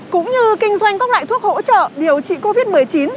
cũng như kinh doanh các loại thuốc hỗ trợ điều trị covid một mươi chín